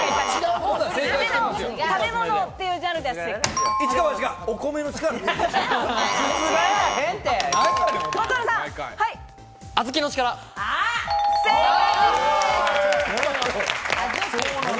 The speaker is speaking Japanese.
食べ物っていうジャンルでは正解。